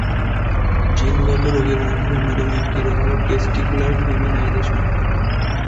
জিনগত রোগের মধ্যে অন্যতম একটি রোগ হলো টেস্টিকুলার ফেমিনাইজেশন।